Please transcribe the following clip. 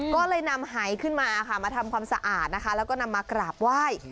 ก็เลยนำหายขึ้นมาค่ะมาทำความสะอาดนะคะแล้วก็นำมากราบไหว้